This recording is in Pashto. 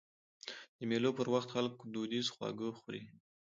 د مېلو پر وخت خلک دودیز خواږه خوري.